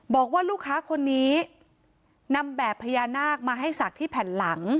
บอกว่าลูกค้าคนนี้นำแบบพญานาคมาให้ศักดิ์ที่แผ่นหลัง